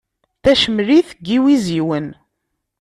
Tacemlit n yiwiziwen.